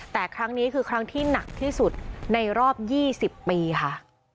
แต่ครั้งนี้คือครั้งที่หนักที่สุดในรอบ๒๐ปีค่ะ